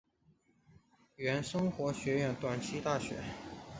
原生活学园短期大学。